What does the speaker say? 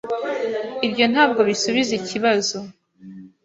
Ibyo ntabwo bisubiza ikibazo.